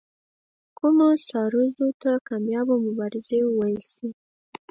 کومو مبارزو ته کامیابه مبارزې وویل شي.